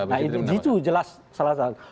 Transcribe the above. nah itu jelas salah satu